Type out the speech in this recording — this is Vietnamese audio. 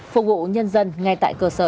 phục vụ nhân dân ngay tại cơ sở